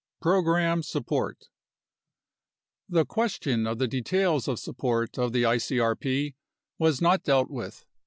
Program Support The question of the details of support of the icrp was not dealt with.